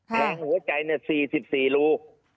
แรงหัวใจ๔๑๔รู